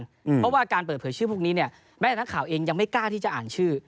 เพราะว่าการเปิดเผยชื่อพวกนี้เนี่ยแม้แต่นักข่าวเองยังไม่กล้าที่จะอ่านชื่อ